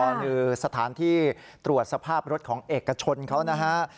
ก็คือสถานที่ตรวจสภาพรถของเอกชนเขานะฮะ